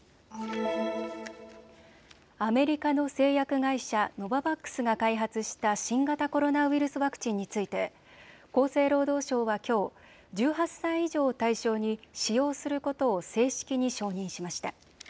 アメリカの製薬会社、ノババックスが開発した新型コロナウイルスワクチンについて厚生労働省はきょう、１８歳以上を対象に使用することを正式に承認しました。